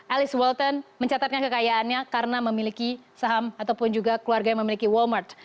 alice walton mencatatkan kekayaannya karena memiliki saham ataupun juga keluarga yang memiliki walmart